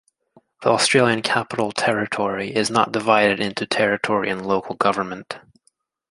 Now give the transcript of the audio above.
The Australian Capital Territory is not divided into territory and local government.